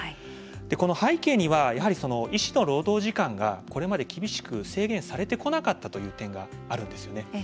この背景にはやはり医師の労働時間がこれまで厳しく制限されてこなかったという点があるんですよね。